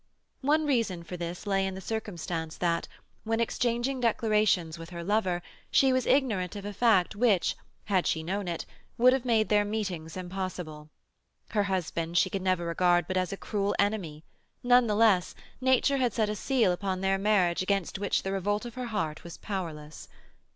One reason for this lay in the circumstance that, when exchanging declarations with her lover, she was ignorant of a fact which, had she known it, would have made their meetings impossible. Her husband she could never regard but as a cruel enemy; none the less, nature had set a seal upon their marriage against which the revolt of her heart was powerless.